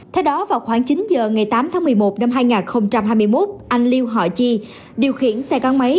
theo đó vào khoảng chín giờ ngày tám tháng một mươi một năm hai nghìn hai mươi một anh liêu họ chi điều khiển xe gắn máy